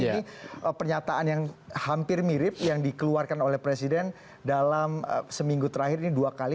ini pernyataan yang hampir mirip yang dikeluarkan oleh presiden dalam seminggu terakhir ini dua kali